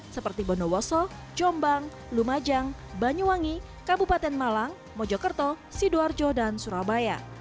seperti bondowoso jombang lumajang banyuwangi kabupaten malang mojokerto sidoarjo dan surabaya